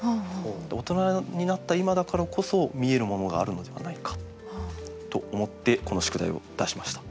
大人になった今だからこそ見えるものがあるのではないかと思ってこの宿題を出しました。